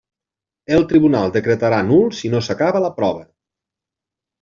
El tribunal decretarà nul si no s'acaba la prova.